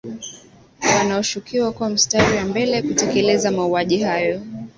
wanaoshukiwa kuwa mstari wa mbele kutekeleza mauaji hayo